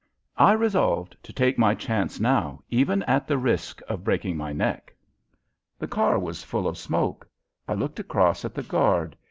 I resolved to take my chance now even at the ride of breaking my neck. The car was full of smoke. I looked across at the guard.